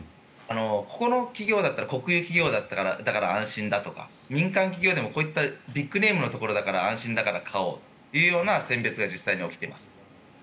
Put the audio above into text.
ここの企業だったら国有企業だから安心だとか、民間企業でもこういうビッグネームのところだから安心だから買おうという選別が実際に起きています。